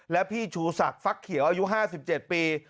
และพี่ชูศักดิ์ฟักเขียวอายุ๕๗ปี